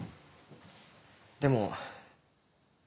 でも。